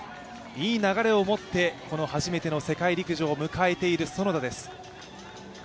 いい流れを持ってこの初めての世界陸上を迎えている園田です。